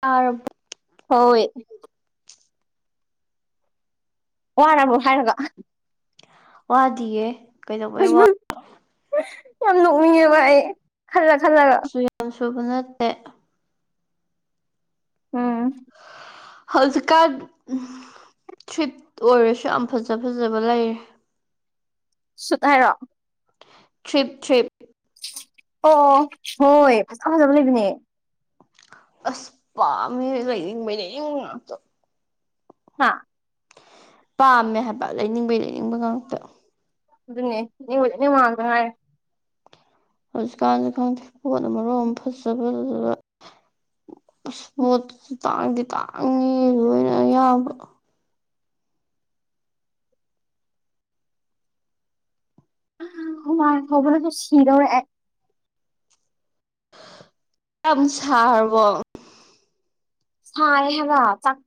ꯇꯥꯔꯥ ꯍꯣꯏ ꯋꯥꯔꯕꯣ ꯍꯥꯏꯔꯒ ꯋꯥꯗꯤꯌꯦ ꯀꯩꯗꯧꯕꯩ [unintelligible] ꯌꯥꯝ ꯅꯣꯛꯅꯤꯡꯉꯦꯕ ꯑꯩ ꯈꯜꯂ ꯈꯜꯂꯒ [unintelligible] ꯌꯥꯝ ꯁꯨꯕ ꯅꯠꯇꯦ ꯎꯨꯝ ꯍꯧꯖꯤꯛꯀꯥꯟ ꯊ꯭ꯔꯤꯞ ꯑꯣꯏꯔꯁꯨ ꯌꯥꯝ ꯐꯖ ꯐꯖꯕ ꯂꯩꯔꯦ ꯁꯨꯠ ꯍꯥꯏꯔꯣ ꯊ꯭ꯔꯤꯞ ꯊ꯭ꯔꯤꯞ ꯑꯣ ꯍꯣꯏ ꯐꯖ ꯐꯖꯕ ꯂꯩꯕꯅꯦ ꯑꯁ ꯄꯥꯝꯃꯦ ꯂꯩꯅꯤꯡꯕꯩꯩ ꯂꯩꯅꯤꯡꯕ ꯉꯥꯛꯇ ꯍꯥꯥ ꯄꯥꯝꯃꯦ ꯍꯥꯏꯕ ꯂꯩꯅꯤꯡꯕꯩ ꯂꯩꯅꯤꯡꯕ ꯉꯥꯛꯇ꯫ ꯑꯗꯨꯅꯦ [unintelligible] ꯍꯧꯖꯤꯛꯀꯥꯟꯁꯨ ꯈꯪꯗꯦ ꯄꯣꯠꯅ ꯃꯔꯣꯝꯃ ꯐꯖꯕ ꯑꯁ ꯄꯣꯠ ꯇꯥꯡꯗꯤ ꯇꯥꯡꯉꯤ ꯂꯣꯏꯅ ꯑꯌꯥꯝꯕ꯫ ꯍꯨꯃꯥꯡ ꯁꯧꯕꯅꯁꯨ ꯁꯤꯗꯧꯔꯦ ꯑꯩ꯫ ꯌꯥꯝ ꯁꯥꯔꯕꯣ? ꯁꯥꯏ ꯍꯥꯏꯕ ꯆꯥꯛ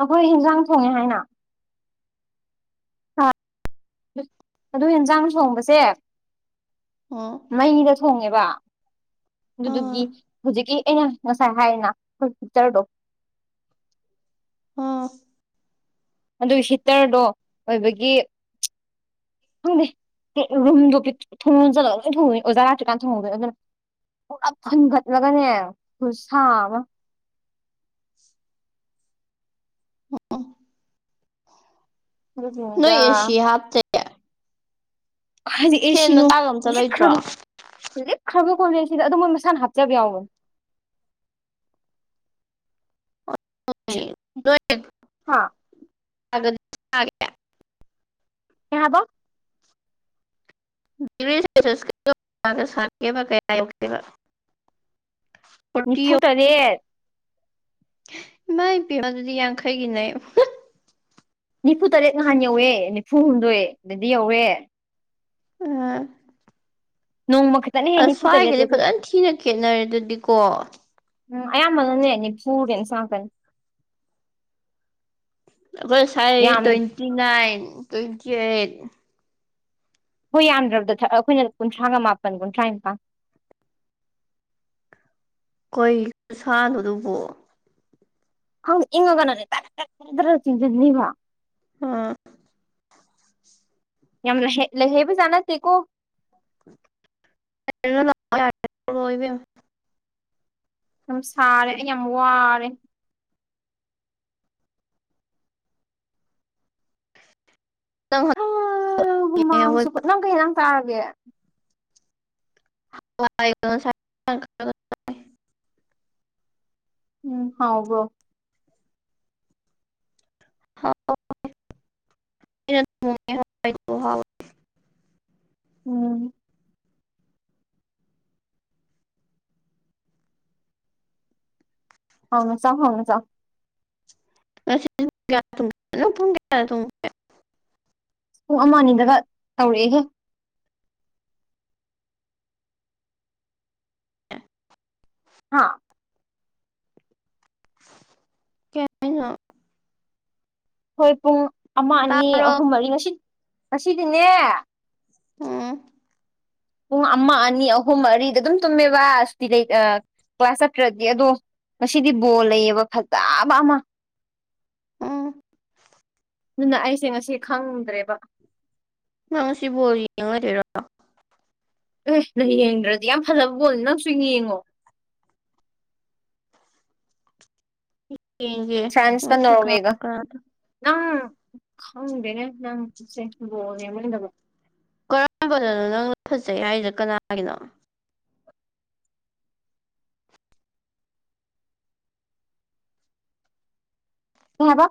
ꯑꯈꯣꯏ ꯍꯦꯟꯖꯥꯡ ꯊꯣꯡꯉꯦ ꯍꯥꯏꯅ ꯑꯗꯨ ꯍꯤꯟꯖꯥꯡ ꯊꯣꯡꯕꯁꯦ ꯑ ꯃꯩꯗ ꯊꯣꯡꯉꯦꯕ ꯎꯝ ꯑꯗꯨꯗꯨꯒꯤ ꯍꯧꯖꯤꯛꯀꯤ ꯑꯩꯅ ꯉꯁꯥꯏ ꯍꯥꯏꯅ ꯈꯣꯏ ꯍꯤꯇꯔꯗꯣ ꯎꯝ ꯑꯗꯨ ꯍꯤꯇꯔꯗꯣ ꯑꯣꯏꯕꯒꯤ ꯈꯪꯗꯦ ꯔꯨꯝꯗꯣ ꯊꯣꯡ ꯖꯜꯂꯒ ꯂꯣꯏ ꯊꯣꯡꯗꯣꯏꯅꯤ ꯑꯣꯖꯥ ꯂꯥꯇ꯭ꯔꯤꯀꯥꯟ ꯊꯣꯡꯍꯧꯗꯣꯏ ꯑꯗꯨꯅ ꯄꯨꯂꯞ ꯐꯨꯟꯒꯠꯂꯒꯅꯦ ꯈꯨꯠꯁꯥ ꯑꯃ [inaudible] [unintelligible] ꯅꯣꯏ ꯑꯗꯨꯒꯤꯅꯤꯗ ꯑꯦꯁꯤ ꯍꯥꯞꯇꯦ ꯀꯥꯏꯗꯩ ꯑꯦ ꯐꯦꯟ ꯁꯤꯅꯣ ꯃꯆꯥꯒ ꯑꯝꯇ ꯂꯩꯇ꯭ꯔꯣ ꯂꯤꯛꯈ꯭ꯔꯕ ꯂꯤꯛꯈ꯭ꯔꯕ ꯀꯣꯂꯦꯖ ꯁꯤꯗ ꯑꯗꯨ ꯃꯣꯏ ꯃꯁꯥꯅ ꯍꯥꯞꯆꯕ ꯌꯥꯎꯕꯅꯦ꯫ ꯍꯥ [unintelligible] ꯀꯩꯍꯥꯕ? [unintelligible] ꯐꯣꯔꯇꯤ ꯌꯧ ꯅꯤꯐꯨꯇꯔꯦꯠ ꯏꯃꯥꯏ ꯄꯦꯝꯃ ꯑꯗꯨꯗꯤ ꯌꯥꯡꯈꯩꯒꯤꯅꯦ꯫ ꯅꯤꯐꯨ ꯇꯔꯦꯠ ꯅꯍꯥꯟ ꯌꯧꯋꯦ ꯅꯤꯐꯨ ꯍꯨꯝꯗꯣꯏ ꯑꯗꯨꯗꯤ ꯌꯧꯋꯦ꯫ ꯑꯥ ꯅꯣꯡꯃ ꯈꯛꯇꯅ ꯍꯦ ꯅꯤꯐꯨ ꯑꯁꯁ꯭ꯋꯥꯏꯒꯗꯤ ꯇꯔꯦꯠꯇꯗꯤ ꯐꯖꯅ ꯊꯤꯅ ꯈꯦꯠꯅꯔꯦ ꯑꯗꯨꯗꯤꯀꯣ꯫ ꯎꯝ ꯑꯌꯥꯝꯕꯅꯅꯦ ꯅꯤꯐꯨ ꯔꯦꯟꯖ ꯉꯥꯛꯇꯅꯤ꯫ ꯑꯈꯣꯏ ꯁꯥꯏ ꯌꯥꯝ ꯇ꯭ꯋꯦꯟꯇꯤ ꯅꯥꯏꯟ ꯇ꯭ꯋꯦꯟꯇꯤ ꯑꯩꯠ ꯈꯣꯏ ꯌꯥꯝꯗ꯭ꯔꯕꯗ ꯑꯈꯣꯏꯅ ꯀꯨꯟꯊ꯭ꯔꯥꯒ ꯃꯥꯄꯟ ꯀꯨꯟꯊ꯭ꯔꯥ ꯅꯤꯄꯥꯟ ꯀꯣꯏ [unintelligible] ꯈꯪ ꯏꯡꯒꯅ ꯗꯛ ꯗꯛ ꯗꯔ ꯆꯤꯟꯖꯟꯅꯤꯕ ꯑꯥ ꯌꯥꯝ ꯂꯩꯖꯩ ꯂꯩꯍꯩꯕꯖꯥꯠ ꯅꯠꯇꯦꯀꯣ꯫ [unintelligible] ꯌꯥꯝ ꯁꯥꯔꯦ ꯑꯩ ꯌꯥꯝ ꯋꯥꯔꯦ꯫ [unintelligible] ꯨ ꯃꯥꯡꯁꯨ ꯅꯪ ꯀꯩ ꯖꯥꯡ ꯆꯥꯔꯒꯦ? [unintelligible] [unintelligible] ꯎꯝ ꯍꯥꯎꯕ꯭ꯔꯣ? [unintelligible] [unintelligible] ꯎꯝ ꯍꯥꯎꯅ ꯆꯥꯎ ꯍꯥꯎꯅ ꯆꯥꯎ [unintelligible] ꯄꯨꯡ ꯑꯃ ꯑꯅꯤꯗꯒ ꯇꯧꯔꯛꯑꯦꯍꯦ ꯍꯥ ꯀꯦ ꯍꯥꯏꯅꯣ ꯍꯣꯏ ꯄꯨꯡ ꯑꯃ ꯑꯅꯤ ꯇꯥꯕ꯭ꯔꯣ ꯑꯍꯨꯝ ꯃꯔꯤ ꯉꯁꯤ ꯉꯁꯤꯗꯤꯅꯦ ꯎꯝ ꯄꯨꯡ ꯑꯃ ꯑꯅꯤ ꯑꯍꯨꯝ ꯃꯔꯤꯗ ꯑꯗꯨꯝ ꯇꯨꯝꯃꯦꯕ ꯁꯨꯇꯤ ꯂꯩꯇꯥ ꯑꯥ ꯀ꯭ꯂꯥꯁ ꯆꯠꯇ꯭ꯔꯗꯤ ꯑꯗꯣ ꯉꯁꯤꯗꯤ ꯕꯣꯜ ꯂꯩꯌꯦꯕ ꯐꯖꯕ ꯑꯃ ꯎꯝ ꯑꯗꯨꯅ ꯑꯩꯁꯦ ꯉꯁꯤ ꯈꯪꯗ꯭ꯔꯦꯕ ꯅꯪ ꯉꯁꯤ ꯕꯣꯜ ꯌꯦꯡꯉꯣꯏꯗꯣꯏꯔꯣ ꯑꯦꯍ ꯅꯪ ꯌꯦꯡꯗ꯭ꯔꯗꯤ ꯌꯥꯝ ꯐꯖꯕ ꯕꯣꯜꯅꯤ ꯅꯪꯁꯨ ꯌꯦꯡꯉꯣ ꯌꯦꯡꯒꯦ ꯐ꯭ꯔꯥꯟꯁꯀ ꯉꯁꯤ ꯀꯅꯥ ꯅꯣꯋꯦꯒ ꯀꯅꯥꯗ ꯑꯥ ꯈꯪꯗꯦꯅꯦ ꯅꯪꯁꯦ ꯕꯣꯜ ꯌꯦꯡꯕ ꯌꯦꯡꯗꯕ ꯀꯔꯝꯕꯗꯅꯣ ꯅꯪꯅ ꯐꯠꯖꯩ ꯍꯥꯏꯔꯤꯖꯦ ꯀꯅꯥꯒꯤꯅꯣ ꯀꯩꯍꯥꯕ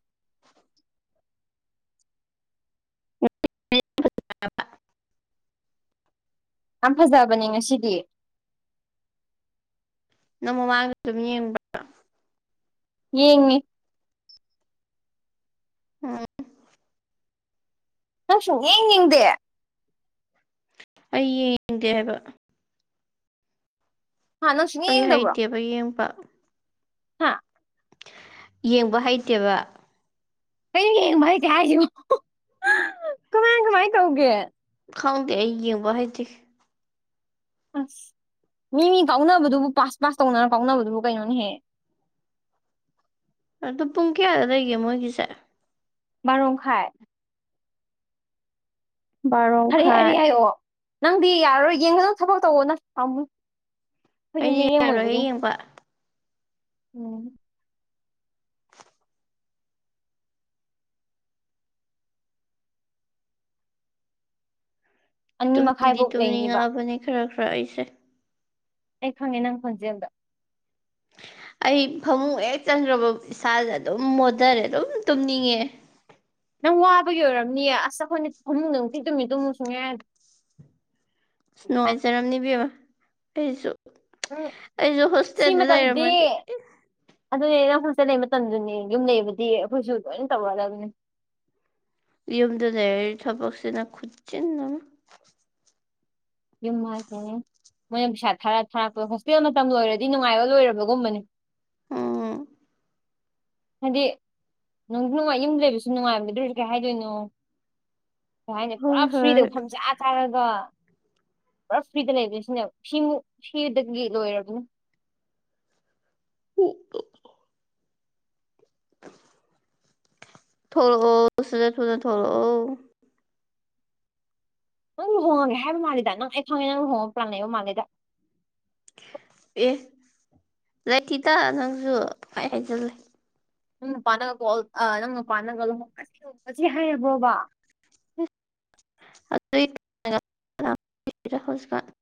[unintelligible] ꯌꯥꯝ ꯐꯖꯕꯅꯦ ꯉꯁꯤꯗꯤ ꯅꯪ ꯃꯥꯃꯥꯡꯖꯨ ꯑꯗꯨꯝ ꯌꯦꯡꯕ꯭ꯔꯥ ꯌꯦꯡꯉꯤ ꯎꯝ ꯅꯪ ꯁꯨꯡꯌꯦꯡ ꯌꯦꯡꯗꯦ ꯑꯩ ꯌꯦꯡꯗꯦ ꯍꯥꯏꯕ ꯍꯥ ꯅꯪ ꯁꯨꯡꯌꯦꯡ ꯌꯦꯡꯗꯕ꯭ꯔꯣ ꯍꯣꯏꯌꯦꯡꯄ ꯍꯥꯥ ꯌꯦꯡꯕ ꯍꯩꯇꯦꯕ ꯀꯩꯅꯣ ꯌꯦꯡꯕ ꯍꯥꯏꯇꯦ ꯍꯥꯏꯁꯤꯕꯣ ꯀꯃꯥꯏ ꯀꯃꯥꯏ ꯇꯧꯒꯦ ꯈꯪꯗꯦ ꯑꯩ ꯌꯦꯡꯕ ꯍꯩꯇꯦ ꯑꯁ ꯃꯤ ꯃꯤ ꯀꯥꯎꯅꯕꯗꯨꯕꯨ ꯄꯥꯁ ꯄꯥꯁ ꯇꯧꯅꯔ ꯀꯥꯎꯅꯕꯗꯨꯕꯨ ꯀꯩꯅꯣꯅꯦ ꯍꯦ ꯑꯗꯣ ꯄꯨꯡ ꯀꯌꯥꯗ ꯂꯩꯒꯦ ꯃꯣꯏꯒꯤꯁꯦ ꯕꯥꯔꯣꯝꯈꯥꯏ ꯕꯥꯔꯣ ꯍꯥꯔꯦ ꯍꯥꯔꯦ ꯃꯈꯥꯏ ꯍꯥꯏꯑꯣ ꯅꯪꯗꯤ ꯌꯥꯔꯔꯣꯏ ꯌꯦꯡꯒꯅꯨ ꯊꯕꯛ ꯇꯧꯋꯣ ꯅ ꯄꯥꯝꯃꯨꯏ ꯑꯩꯈꯣꯏꯗꯤ ꯑꯩꯗꯤ ꯃꯤꯔꯦꯝ ꯑꯣꯏꯕꯒꯤ ꯌꯥꯔꯣꯏꯍꯦ ꯌꯦꯡꯕ ꯎꯝ ꯑꯅꯤ ꯇꯨꯝꯗꯤ ꯃꯈꯥꯏꯐꯧ ꯂꯩꯅꯤꯕ ꯇꯨꯝꯅꯤꯡꯉꯛꯑꯕꯅꯦ ꯈꯔ ꯈꯔ ꯑꯩꯁꯦ ꯑꯩ ꯈꯪꯉꯦ ꯅꯪ ꯈꯣꯟꯖꯦꯜꯗꯣ ꯑꯩ ꯐꯃꯨꯡ ꯍꯦꯛ ꯆꯪꯒ꯭ꯔꯕ ꯏꯁꯥꯥꯁꯦ ꯑꯗꯨꯝ ꯃꯣꯗꯔꯦ ꯑꯗꯨꯝ ꯇꯨꯝꯅꯤꯡꯉꯛꯑꯦ ꯅꯪ ꯋꯥꯕꯒꯤ ꯑꯣꯏꯔꯝꯅꯤꯌꯦ ꯑꯁ ꯑꯩꯈꯣꯏꯅ ꯐꯃꯨꯡꯗ ꯅꯨꯡꯇꯤ ꯇꯨꯃꯤ ꯇꯨꯝꯃꯨ ꯁꯨꯡꯌꯥ ꯌꯥ__ ꯅꯨꯡꯉꯥꯏꯖꯔꯝꯅꯤ ꯏꯕꯦꯝꯃ ꯑꯩꯖꯨ ꯎꯝ ꯑꯩꯖꯨ ꯁꯤ ꯍꯣꯁꯇꯦꯜꯗ ꯂꯩꯔꯝꯃꯗꯤ ꯃꯇꯝꯁꯤꯗꯤ ꯏ ꯑꯗꯨꯅꯦ ꯅꯪ ꯍꯣꯁꯇꯦꯜ ꯂꯩ ꯃꯇꯝꯗꯨꯅꯦ ꯌꯨꯝ ꯂꯩꯕꯗꯤ ꯑꯩꯈꯣꯏꯁꯨ ꯂꯣꯏꯅ ꯇꯧꯔꯛꯗꯕꯅꯦ ꯌꯨꯝꯗ ꯂꯩꯔꯗꯤ ꯊꯕꯛꯁꯤꯅ ꯈꯨꯠꯆꯤꯟ ꯑꯃ ꯌꯨꯝ ꯍꯥꯏꯁꯦ ꯃꯣꯏꯅ ꯄꯩꯁꯥ ꯊꯥꯔ ꯊꯥꯔꯛꯄ ꯍꯣꯁꯇꯦꯜ ꯃꯇꯝ ꯂꯣꯏꯔꯗꯤ ꯅꯨꯡꯉꯥꯏꯕ ꯂꯣꯏꯔꯕꯒꯨꯝꯕꯅꯦ ꯎꯝ ꯍꯥꯏꯗꯤ ꯅꯨꯡꯁꯨꯅꯨꯡꯉꯥꯏ ꯌꯨꯝꯗ ꯂꯩꯕꯁꯨ ꯅꯨꯡꯉꯥꯏꯕꯅꯤ ꯑꯗꯨ ꯑꯣꯏꯔꯁꯨ ꯀꯩ ꯍꯥꯏꯗꯣꯏꯅꯣ ꯀꯩ ꯍꯥꯏꯅꯤ ꯄꯨꯔꯥ ꯍꯣꯏ ꯐ꯭ꯔꯤꯗ ꯍꯣꯏ ꯐꯝꯖꯥ ꯆꯥꯔꯒ ꯄꯨꯔꯥ ꯐ꯭ꯔꯤꯗ ꯂꯩꯕ ꯁꯤꯅꯦ ꯁꯤꯃꯨꯛ ꯁꯤꯗꯒꯤ ꯂꯣꯏꯔꯕꯅꯤ [unintelligible] ꯊꯣꯂꯛ ꯑꯣ ꯁꯠ ꯁꯠ ꯊꯨꯅ ꯊꯣꯂꯛꯑꯣ ꯅꯪ ꯂꯨꯍꯣꯡꯉꯒꯦ ꯍꯥꯏꯕ ꯃꯥꯜꯂꯤꯗ ꯅꯪ ꯑꯩ ꯈꯪꯉꯦ ꯅꯪ ꯂꯨꯍꯣꯡꯕ ꯄ꯭ꯂꯥꯟ ꯂꯩꯕ ꯃꯥꯜꯂꯤꯗ ꯑꯦ ꯂꯩ ꯊꯤꯗ ꯅꯪꯁꯨ ꯄꯪꯍꯥꯏ ꯍꯥꯏꯖꯜꯂꯦ ꯅꯪ ꯅꯨꯄꯥꯅꯒ ꯀꯣꯜ ꯑ ꯅꯪ ꯅꯨꯄꯥꯅꯒ ꯂꯨꯍꯣꯡꯉꯁꯤ ꯍꯥꯏꯔꯕ꯭ꯔꯣꯕ [unintelligible]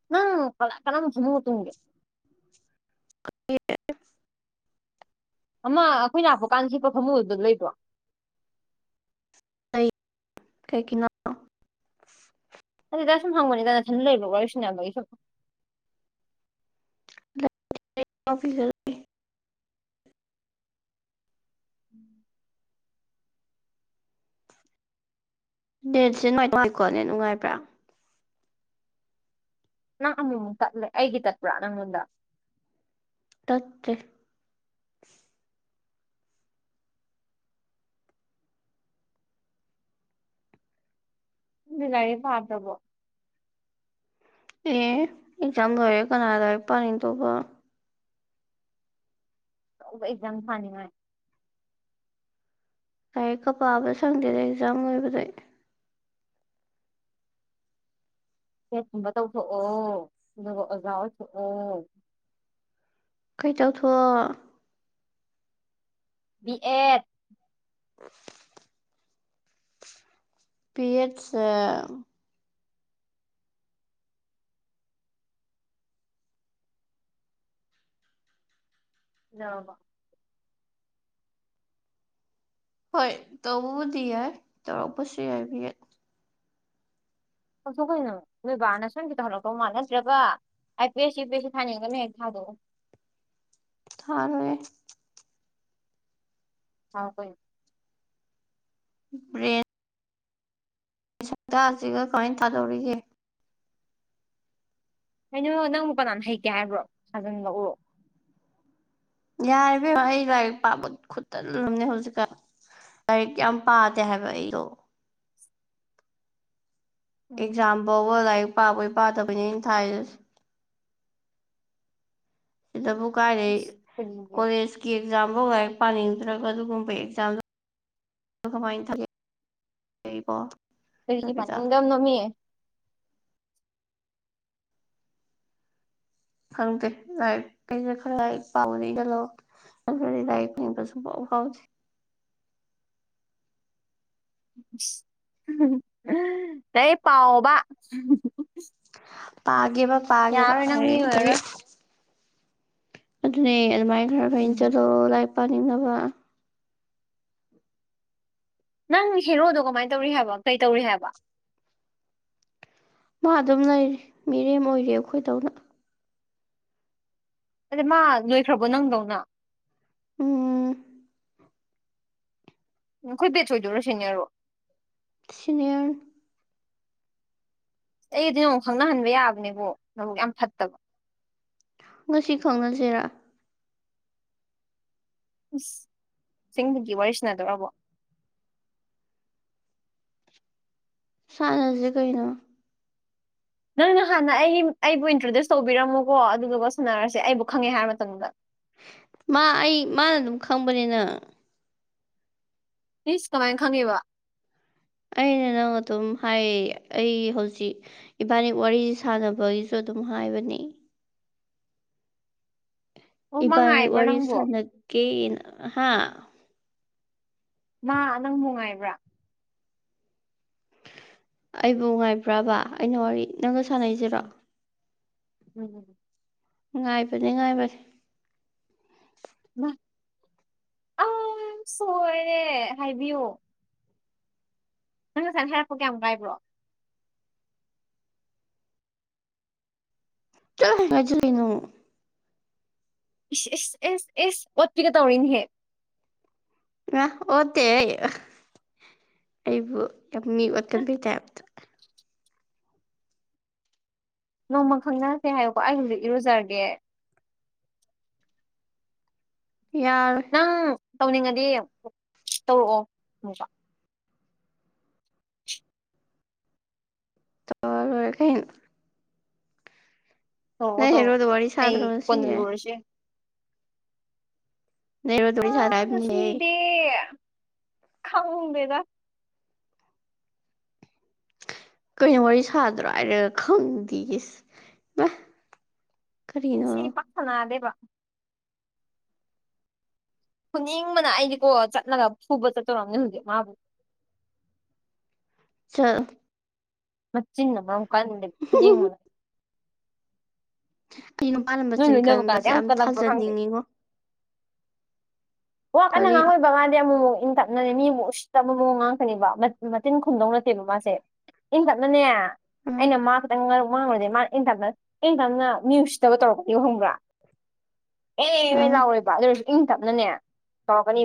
ꯅꯪ [unintelligible] [unintelligible] ꯑꯃ ꯑꯩꯈꯣꯏ ꯂꯥꯛꯄ ꯀꯥꯟꯗ ꯍꯤꯠꯄ ꯐꯃꯨꯡ ꯑꯗꯨꯗ ꯂꯩꯕ꯭ꯔꯣ ꯂꯩ ꯀꯩꯒꯤꯅꯣ ꯑꯗꯨꯗ ꯁꯨꯝ ꯍꯪꯕꯅꯤꯗꯅ ꯅꯊꯟꯗ ꯂꯩꯕ ꯋꯥꯔꯤ ꯁꯥꯅꯕꯒꯤ ꯁꯨꯝ [unintelligible] ꯎꯝ ꯗꯦꯠꯁꯦ [unintelligible] ꯅꯨꯡꯉꯥꯏꯕ꯭ꯔꯥ ꯅꯪ ꯑꯃꯨꯃꯨꯛ ꯇꯠꯂꯦ ꯑꯩꯒꯤ ꯇꯠꯄ꯭ꯔꯥ ꯅꯪꯉꯣꯟꯗ ꯇꯠꯇꯦ ꯅꯪꯗꯤ ꯂꯥꯏꯔꯤꯛ ꯄꯥꯗ꯭ꯔꯕꯣ ꯑꯦ ꯑꯦꯛꯖꯥꯝ ꯂꯣꯏꯔꯦ ꯀꯅꯥꯅ ꯂꯥꯏꯔꯤꯛ ꯄꯥꯅꯤꯡꯗꯣꯏꯕ ꯑꯆꯧꯕ ꯑꯦꯛꯖꯥꯝ ꯊꯅꯤꯡꯉꯥꯏ ꯂꯥꯏꯔꯤꯛꯀ ꯄꯥꯕ ꯁꯪꯗꯦꯗ ꯑꯦꯛꯖꯥꯝ ꯂꯣꯏꯕꯗꯩ ꯕꯦꯠꯀꯨꯝꯕ ꯇꯧꯊꯣꯛꯑꯣ ꯑꯗꯨꯒ ꯑꯣꯖꯥ ꯑꯣꯏꯊꯣꯛꯑꯣ ꯀꯩ ꯇꯧꯊꯣꯛꯑꯣ ꯕꯤ ꯑꯦꯠ [unintelligible] ꯕꯤꯑꯦꯠꯁꯦ [unintelligible] ꯍꯣꯏ ꯇꯧꯕꯕꯨꯗꯤ ꯌꯥꯏ ꯇꯧꯔꯛꯄꯁꯨ ꯌꯥꯏ ꯕꯤꯑꯦꯠ ꯇꯧꯊꯣꯛꯑꯣ ꯀꯩꯅꯣ ꯅꯣꯏ ꯕꯥꯅ ꯁꯣꯏꯒꯤ ꯍꯧꯜꯂꯛꯛꯇꯧ ꯃꯥꯜꯂꯦ ꯅꯠꯇ꯭ꯔꯒ ꯑꯩ ꯄꯦꯁꯤ ꯌꯨꯄꯦꯁꯤ ꯊꯥꯅꯤꯡꯉꯒꯅ ꯍꯦꯛ ꯊꯥꯗꯣꯛꯑꯣ ꯊꯥꯔꯣꯏ ꯊꯥꯎ ꯀꯩꯅꯣ [unintelligible] ꯁꯛꯇꯥꯁꯤꯒ ꯀꯃꯥꯏꯅ ꯊꯥꯗꯧꯔꯤꯒꯦ ꯀꯩꯅꯣ ꯅꯪꯕꯨ ꯀꯅꯥꯅ ꯍꯩꯇꯦ ꯍꯥꯏꯕ꯭ꯔꯣ ꯁꯥꯖꯟ [unintelligible] ꯌꯥꯔꯦ ꯏꯕꯦꯝꯃ ꯑꯩ ꯂꯥꯏꯔꯤꯛ ꯄꯥꯕ ꯈꯨꯠꯇꯜ ꯑꯝꯅꯦ ꯍꯧꯖꯤꯛꯀꯥꯟ ꯂꯥꯏꯔꯤꯛ ꯌꯥꯝ ꯄꯥꯗꯦ ꯍꯥꯏꯕ ꯑꯩꯗꯣ ꯎꯝ ꯑꯦꯛꯖꯥꯝ ꯐꯧꯕ ꯂꯥꯏꯔꯤꯛ ꯄꯥꯕꯣꯏ ꯄꯥꯗꯕꯣꯏꯅꯦ ꯑꯩꯅ ꯊꯥꯏꯗꯣ ꯁꯤꯗꯕꯨ ꯀꯥꯏꯗꯩ ꯑꯁ ꯀꯔꯤꯒꯤ ꯀꯣꯂꯦꯖꯀꯤ ꯑꯦꯛꯖꯥꯝꯐꯧ ꯂꯥꯏꯔꯤꯛ ꯄꯥꯅꯤꯡꯗ꯭ꯔꯒ ꯑꯗꯨꯒꯨꯝꯕ ꯑꯦꯛꯖꯥꯝ ꯀꯃꯥꯏꯅ ꯊꯒꯦ ꯑꯩꯕꯣ ꯀꯩꯒꯤ ꯅꯕꯤꯇꯥ ꯄꯥꯅꯤꯡꯗꯅꯣ ꯃꯤ ꯈꯪꯗꯦ ꯂꯥꯏꯔꯤꯛ ꯀꯩꯁꯦ ꯈꯔ [unintelligible] ꯑꯗꯨꯅꯤ ꯂꯥꯏꯔꯤꯛ ꯄꯥꯅꯤꯡꯕꯥ ꯁꯨꯡꯐꯥꯎ ꯐꯥꯎꯗꯦ ꯂꯥꯏꯛ ꯄꯥꯎꯕ ꯄꯥꯒꯦꯕ ꯄꯥꯒꯦꯕ ꯌꯥꯔꯔꯣꯏ ꯅꯪ ꯃꯤ ꯍꯌ‌ꯦꯡꯗꯒꯤ ꯑꯣꯏꯔꯔꯣꯏ ꯑꯗꯨꯅꯦ ꯑꯗꯨꯃꯥꯏꯅ ꯈꯔ ꯏꯟ ꯎꯝ ꯆꯠꯂꯣ ꯂꯥꯏꯛ ꯄꯥꯅꯤꯡꯅꯕ ꯅꯪ ꯍꯦꯔꯣꯗꯣ ꯀꯃꯥꯏꯅ ꯇꯧꯔꯤ ꯍꯥꯏꯕ ꯀꯩ ꯇꯧꯔꯤ ꯍꯥꯏꯕ ꯃꯥ ꯑꯗꯨꯝ ꯂꯩꯔꯤ ꯃꯤꯔꯦꯝ ꯑꯣꯏꯔꯤ ꯑꯩꯈꯣꯏꯗꯧꯅ ꯑꯗ ꯃꯥ ꯂꯣꯏꯈ꯭ꯔꯕꯣ ꯅꯪꯗꯧꯅ ꯎꯝ ꯎꯝ ꯑꯈꯣꯏ ꯕ‌ꯦꯠꯁ ꯑ‌ꯣꯏꯗꯣꯏꯔ‌ꯣ ꯁꯤꯅꯦꯌꯔꯔ‌ꯣ ꯁꯤꯅꯦꯌꯔ ꯑꯩꯗꯤ ꯅ‌ꯣꯜ ꯈꯪꯅꯍꯟꯕ ꯌꯥꯕꯅꯦ ꯀ‌ꯣ ꯅꯕꯨꯛ ꯌꯥꯝ ꯐꯠꯇꯕ ꯉꯁꯤ ꯈꯪꯅꯁꯤꯔꯥ ꯑꯁ ꯑꯁ‌ꯦꯡꯕꯒꯤ ꯋꯥꯔꯤ ꯁꯅꯥꯗꯧꯔꯕꯣ ꯁꯥꯟꯅꯁꯦ ꯀꯩꯅꯣ ꯅꯪꯅ ꯍꯥꯟꯅ ꯑꯩ ꯑꯩꯕꯨ ꯏꯟꯇ꯭ꯔꯣꯗ꯭ꯌꯨꯁ ꯇꯧꯕꯤꯔꯝꯃꯣꯀꯣ ꯑꯗꯨꯗꯨꯒ ꯁꯥꯟꯅꯔꯁꯦ ꯑꯩꯕꯨ ꯈꯪꯉꯦ ꯍꯥꯏ ꯃꯇꯝꯗ ꯃꯥ ꯑꯩ ꯃꯥꯅ ꯑꯗꯨꯝ ꯈꯪꯕꯅ‌ꯦ ꯅꯪ ꯏꯁ ꯀꯃꯥꯏꯅ ꯈꯪꯉꯦꯕ ꯑꯩꯅ ꯅꯪ ꯑꯗꯨꯝ ꯍꯥꯏꯌ‌ꯦ ꯑꯩ ꯍꯧꯖꯤꯛ ꯏꯕꯥꯅꯤ ꯋꯥꯔꯤ ꯁꯥꯟꯅꯕꯒꯤꯁꯨ ꯑꯗꯨꯝ ꯍꯥꯏꯕꯅꯤ ꯑꯣ ꯃꯥ ꯏꯕꯥꯅꯤ ꯉꯥꯏꯕ꯭ꯔꯥ ꯋꯥꯔꯤ ꯅꯪꯕꯣ ꯁꯥꯟꯅꯀ‌ꯦꯅ ꯍꯥ ꯃꯥ ꯅꯪꯕꯨ ꯉꯥꯏꯕ꯭ꯔꯥ ꯑꯩꯕꯨ ꯉꯥꯏꯕ꯭ꯔꯥꯕ ꯑꯩꯅ ꯋꯥꯔꯤ ꯅꯪꯒ ꯁꯥꯟꯅꯩꯁꯤꯔꯣ ꯎꯝ ꯎꯝ ꯉꯥꯏꯕꯅꯦ ꯉꯥꯏꯕꯅꯦ ꯃꯥ ꯑꯥꯁ ꯁꯣꯏꯔꯦ ꯍꯥꯏꯕꯤꯌꯣ ꯅꯪ ꯉꯁꯥꯏꯅ ꯍꯥꯏꯔꯛꯄ ꯀꯥꯌꯥꯝ ꯀꯥꯏꯕ꯭ꯔꯣ ꯆꯠꯂꯣꯍꯦ ꯀꯥꯏ ꯆꯠꯂꯤꯅꯣ ꯏꯁ ꯏꯁ ꯏꯁ ꯏꯁ ꯑꯣꯠꯄꯤꯒ ꯇꯧꯔꯤꯅꯦꯍꯦ ꯃꯥ ꯑꯣꯠꯇꯦꯍꯦ ꯑꯩꯕꯨ ꯌꯥꯝ ꯃꯤ ꯑ ꯑꯣꯠꯀꯟꯕꯩ ꯇ꯭ꯌꯥꯞꯇ ꯅꯣꯡꯃ ꯈꯪꯅꯔꯁꯦ ꯍꯥꯏꯌꯨꯀꯣ ꯑꯩ ꯍꯧꯖꯤꯛ ꯏꯔꯨꯖꯔꯒꯦ ꯌꯥꯏ ꯅꯪ ꯇꯧꯅꯤꯡꯉꯗꯤ ꯇꯧꯔꯛꯑꯣ ꯑꯃꯨꯛꯀ ꯇꯧꯔ ꯂꯣꯏꯔꯦ ꯀꯩꯅꯣ ꯇꯧꯔꯛꯑꯣ ꯅꯣꯏ ꯇꯧꯔꯛꯑꯣ ꯍꯦꯔꯣꯗ‌ꯣ ꯋꯥꯔꯤ ꯑꯩ ꯁꯥꯗ꯭ꯔ‌ꯣ ꯀꯣꯟꯅ ꯉꯁꯤꯒꯤ ꯂꯨꯔꯁꯨ ꯌꯥꯏ ꯅꯣꯏ ꯍꯦꯔꯣꯗꯣ ꯋꯥꯔꯤ ꯁꯥ ꯑꯥ ꯉꯁꯤꯗꯤ ꯈꯪꯗꯦꯗ ꯀꯩꯅꯣ ꯋꯥꯔꯤ ꯁꯥꯗ꯭ꯔꯣ ꯍꯥꯏꯔꯒ ꯈꯪꯗꯦꯌꯦ ꯃꯥ ꯀꯔꯤꯅꯣ ꯉꯁꯤꯗꯤ ꯄꯥꯛ ꯁꯟꯅꯗꯦꯕꯥ ꯐꯨꯅꯤꯡꯕꯅ ꯑꯩꯗꯤꯀꯣ ꯆꯠꯂꯒ ꯐꯨꯕ ꯆꯠꯇꯣꯔꯝꯅꯦ ꯍꯧꯖꯤꯛ ꯃꯥꯕꯨ ꯆꯠꯂꯨ ꯃꯆꯤꯟꯅ ꯃꯥꯔꯣꯜ ꯑꯃ ꯀꯥꯟꯂꯤꯕ ꯐꯨꯅꯤꯡꯕꯅꯥ ꯑꯩ ꯅꯨꯄꯥꯅ ꯅꯣꯏ ꯃꯆꯤꯟ ꯂꯣꯏꯅꯕ ꯀꯟꯕꯁꯦ ꯀꯥꯟꯗ ꯌꯥꯝ ꯀꯜꯂꯛꯄ꯭ꯔꯥ ꯈꯪꯗꯦ ꯊꯥꯖꯟꯅꯤꯡꯉꯤꯉꯣ ꯋꯥ ꯀꯟꯅ ꯀꯔꯤ ꯑ ꯉꯥꯡꯉꯣꯏꯕ ꯃꯥꯗꯤ ꯑꯃꯨꯛ ꯃꯨꯛ ꯢꯪ ꯇꯞ ꯅꯅꯦ ꯃꯤ ꯑꯃꯨꯛ ꯎꯁꯤꯠꯇꯕ ꯃꯑꯣꯡ ꯉꯥꯡꯉꯛꯀꯅꯦꯕ ꯃꯥ ꯃꯆꯤꯟ ꯈꯨꯝꯗꯧ ꯅꯠꯇꯦꯕ ꯃꯥꯁꯦ ꯏꯪ ꯇꯞꯅꯅꯦ ꯑꯩꯅ ꯃꯥ ꯈꯤꯇꯪ ꯉ ꯉꯥꯡꯉꯨꯔꯗꯤ ꯃꯥ ꯏꯪ ꯇꯞꯅ ꯏꯪ ꯇꯞꯅ ꯃꯤ ꯎꯁꯤꯠꯇꯕ ꯇꯧꯔꯛꯀꯅꯦꯕ ꯈꯪꯕ꯭ꯔꯥ ꯑꯦ ꯑꯦ ꯑ ꯂꯥꯎꯔꯣꯏꯕ ꯑꯗꯨ ꯑꯣꯏꯔꯁꯨ ꯏꯪ ꯇꯞꯅꯅꯦ ꯇꯧꯔꯛꯀꯅꯤꯕ